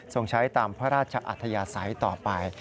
ใช้ตามพระราชอัธยาศัยต่อไป